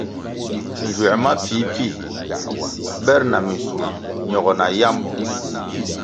Nzuer ma pfihpfih ber na minschun ñogo na yambo.